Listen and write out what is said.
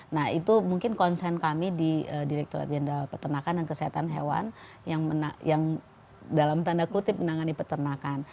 nah itu mungkin konsen kami di direkturat jenderal peternakan dan kesehatan hewan yang dalam tanda kutip menangani peternakan